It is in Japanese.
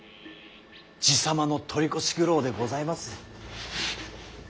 爺様の取り越し苦労でございます。